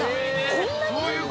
こんなに？